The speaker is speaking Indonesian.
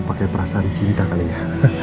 pakai perasaan cinta kali ya